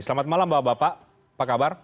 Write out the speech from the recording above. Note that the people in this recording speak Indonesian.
selamat malam bapak bapak apa kabar